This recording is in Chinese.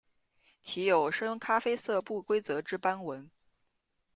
体有深咖啡色不规则之斑纹。